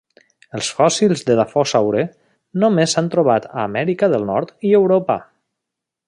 Els fòssils d'edafòsaure només s'han trobat a Amèrica del Nord i Europa.